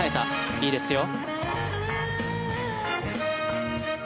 いいですよ。